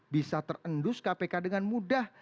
bisa terendus kpk dengan mudah